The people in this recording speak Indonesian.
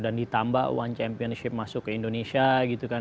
dan ditambah one championship masuk ke indonesia gitu kan